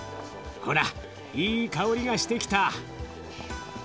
ほらいい香りがしてきた。